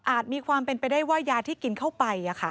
มีความเป็นไปได้ว่ายาที่กินเข้าไป